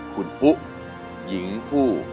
ขุนผู้หญิงผู้